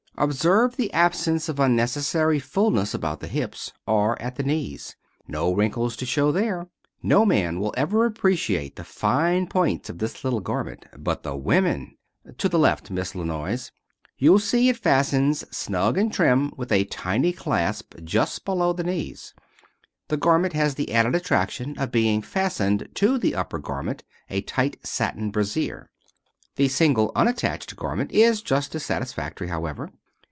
Observe the absence of unnecessary fulness about the hips, or at the knees. No wrinkles to show there. No man will ever appreciate the fine points of this little garment, but the women! To the left, Miss La Noyes. You'll see it fastens snug and trim with a tiny clasp just below the knees. This garment has the added attraction of being fastened to the upper garment, a tight satin brassiere. The single, unattached garment is just as satisfactory, however.